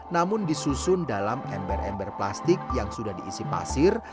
namun disusun dalam ember ember plastik yang sudah diisi pasir